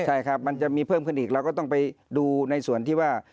ใช่ครับมันจะมีเพิ่มขึ้นอีกเราก็ต้องไปดูในส่วนที่ว่า